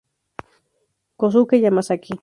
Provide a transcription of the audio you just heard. Kosuke Yamazaki